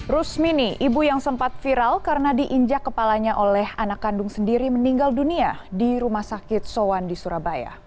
rusmini ibu yang sempat viral karena diinjak kepalanya oleh anak kandung sendiri meninggal dunia di rumah sakit sowan di surabaya